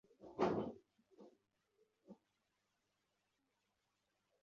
Itsinda ryinshuti rihitamo icyo bagomba kurya uyumunsi